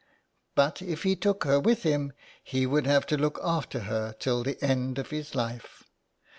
But if he took her with him he would have to look after her till the end of his life.